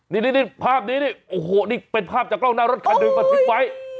นี่ภาพนี้นี่โอ้โหนี่เป็นภาพจากกล้องหน้ารถคันหนึ่งบันทึกไว้